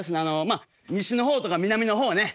まあ西の方とか南の方ね。